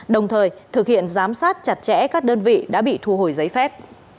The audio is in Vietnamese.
đồng thời thực hiện giám sát chặt chẽ các đơn vị đã bị thu hồi giấy phép